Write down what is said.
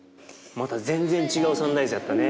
．また全然違うサンライズやったね。